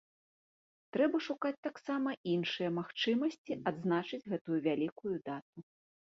Трэба шукаць таксама іншыя магчымасці адзначыць гэтую вялікую дату.